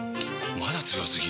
まだ強すぎ？！